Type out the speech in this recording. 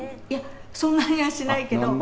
そんなにはしないけど。